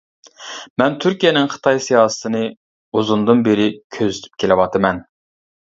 مەن تۈركىيەنىڭ خىتاي سىياسىتىنى ئۇزۇندىن بېرى كۆزىتىپ كېلىۋاتىمەن.